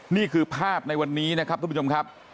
นี่คือภาพในวันนี้นะครับทุกผู้ชมครับ